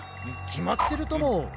きまってるとも。